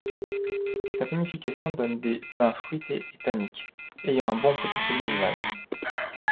Sa vinification donne des vins fruités et tanniques, ayant un bon potentiel d'élevage.